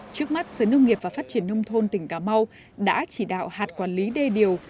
trước mắt sở nông nghiệp và phát triển nông thôn tỉnh cà mau đã chỉ đạo hạt quản lý đê điều